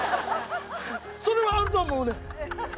それはあると思うねん。